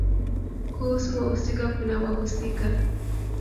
Kuhusu wahusika kuna wahusika